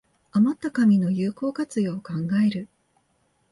あまった紙の有効活用を考える